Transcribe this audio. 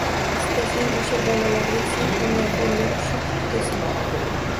Istasang oʻsha bolalarga sen ham yordam berib shu qutiga sol.